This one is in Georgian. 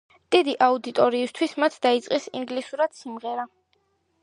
დიდი აუდიტორიისთვის მათ დაიწყეს ინგლისურად სიმღერა.